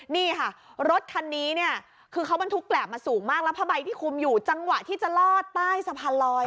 นี่ค่ะรถคันนี้เนี่ยคือเขาบรรทุกแกรบมาสูงมากแล้วผ้าใบที่คุมอยู่จังหวะที่จะลอดใต้สะพานลอย